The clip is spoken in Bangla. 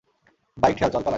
বাইক ঠেল, চল পালাই।